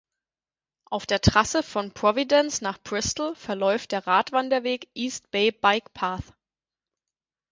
Auf der Trasse von Providence nach Bristol verläuft der Radwanderweg "East Bay Bike Path".